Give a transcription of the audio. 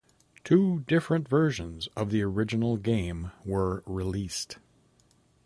Two different versions of the original game were released.